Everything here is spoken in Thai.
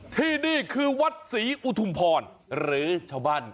ที่นี่คือวัดศรีอุทุมพรหรือชาวบ้าน